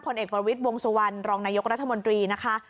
เอกประวิทย์วงสุวรรณรองนายกรัฐมนตรีนะคะ